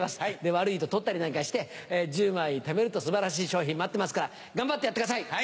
悪いと取ったりなんかして１０枚ためると素晴らしい賞品待ってますから頑張ってやってください。